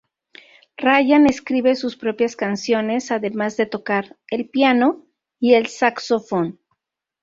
Ryan escribe sus propias canciones, además de tocar el piano y el saxofón.